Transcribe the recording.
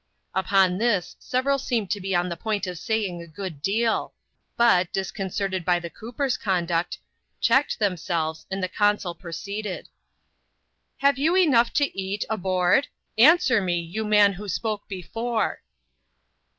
Upon this several seemed to be on the point of saying a good eal ; but, disconcerted by the cooper's conduct, checked them jlves, and the consul proceeded. "Have you enough to eat, aboard? answer me, you man ho spoke before."